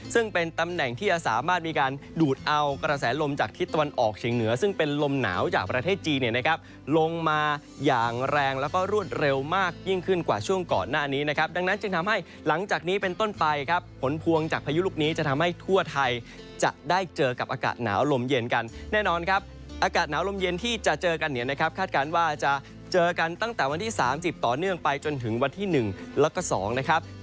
ซึ่งเป็นตำแหน่งที่จะสามารถมีการดูดเอากระแสลมจากทิศตะวันออกเฉียงเหนือซึ่งเป็นลมหนาวจากประเทศจีนเนี่ยนะครับลงมาอย่างแรงแล้วก็รวดเร็วมากยิ่งขึ้นกว่าช่วงก่อนหน้านี้นะครับดังนั้นจึงทำให้หลังจากนี้เป็นต้นไปครับผลพวงจากพายุลูกนี้จะทำให้ทั่วไทยจะได้เจอกับอากาศหนาวลมเย็นกันแน่นอน